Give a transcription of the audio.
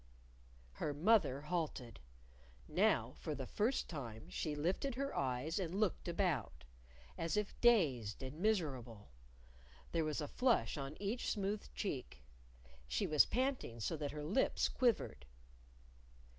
Her mother halted. Now for the first time she lifted her eyes and looked about as if dazed and miserable. There was a flush on each smooth cheek. She was panting so that her lips quivered.